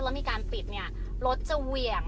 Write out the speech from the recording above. แล้วมีการปิดเนี่ยรถจะเหวี่ยง